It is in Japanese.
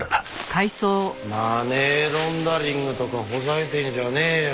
マネーロンダリングとかほざいてんじゃねえよ。